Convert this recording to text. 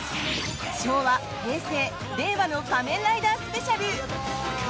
昭和、平成、令和の「仮面ライダー」スペシャル！